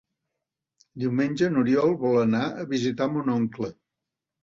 Diumenge n'Oriol vol anar a visitar mon oncle.